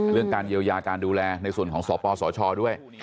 เรื่องการเยียวยาการดูแลในส่วนของสปสชด้วย